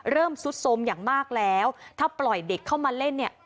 ซุดสมอย่างมากแล้วถ้าปล่อยเด็กเข้ามาเล่นเนี่ย